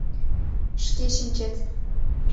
Шке шинчет.